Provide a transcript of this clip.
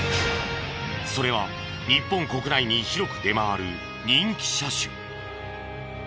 それは日本国内に広く出回る人気車種。